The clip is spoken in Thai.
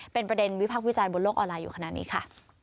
เป็นประเด็นวิพักษ์วิจารณ์บนโลกออนไลน์อยู่ขนาดนี้ค่ะ